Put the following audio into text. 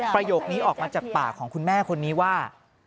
ประโยคนี้ออกมาจากปากของคุณแม่คนนี้ว่า